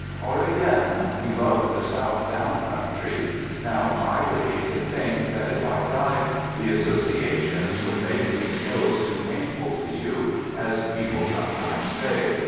Or, again, we love the South Down country. Now I would hate to think that, if I died, the "associations" would make these hills "too painful " for you, as people sometimes say.